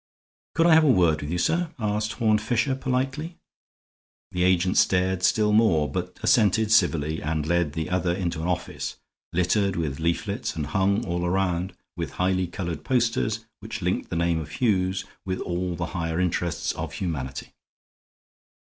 "Could I have a word with you, sir?" asked Horne Fisher, politely. The agent stared still more, but assented civilly, and led the other into an office littered with leaflets and hung all round with highly colored posters which linked the name of Hughes with all the higher interests of humanity.